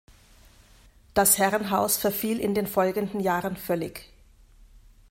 Das Herrenhaus verfiel in den folgenden Jahren völlig.